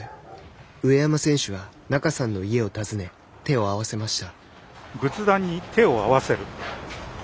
上山選手は仲さんの家を訪ね手をあわせました。